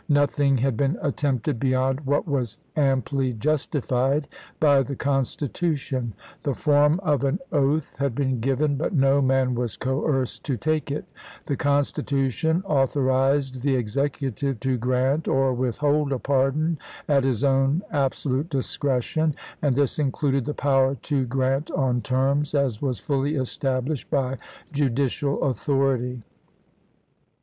v. Nothing had been attempted beyond what was amply justified by the Constitution; the form of an oath had been given, but no man was coerced to take it ; the Constitution authorized the Execu tive to grant or withhold a pardon at his own ab solute discretion, and this included the power to grant on terms, as was fully established by judicial authority.